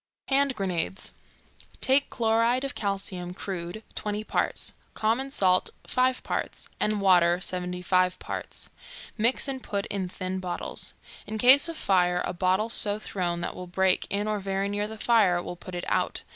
HAND GRENADES. Take chloride of calcium, crude, 20 parts; common salt, 5 parts; and water, 75 parts. Mix and put in thin bottles. In case of fire, a bottle so thrown that it will break in or very near the fire will put it out.